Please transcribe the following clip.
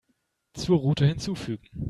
Zur Route hinzufügen.